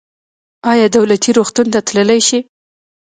ایا دولتي روغتون ته تللی شئ؟